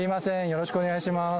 よろしくお願いします